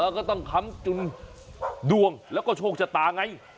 แล้วก็ต้องค้ำจุนดวงแล้วก็โชคชะตาไง